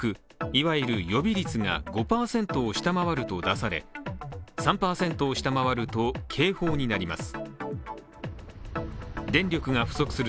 いわゆる予備率が５％を下回ると出され３％を下回ると警報になります。